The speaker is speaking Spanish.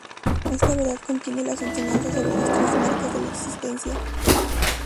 Esta verdad contiene las enseñanzas sobre las Tres Marcas de la Existencia.